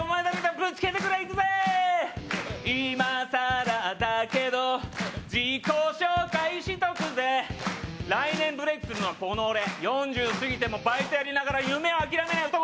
ぶつけてくれいくぜ今さらだけど自己紹介しとくぜ来年ブレイクするのはこの俺４０すぎてもバイトやりながら夢を諦めない男